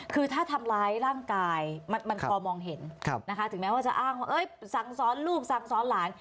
คือถ้าทำร้ายร่างกายมันพอมองเห็นนะคะถึงแม้ว่าจะอ้างว่าสั่งสอนลูกสั่งสอนหลาน